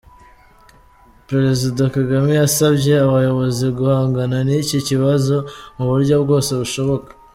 Perezida Kagame yasabye abayobozi guhangana n’iki kibazo mu buryo bwose bushoboka.